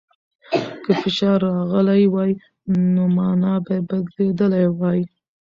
که فشار راغلی وای، نو مانا به بدلېدلې وای.